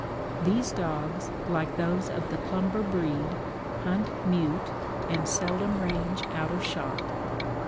These dogs, like those of the Clumber breed, hunt mute, and seldom range out of shot.